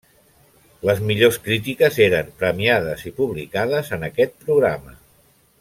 Les millors crítiques eren premiades i publicades en aquest programa.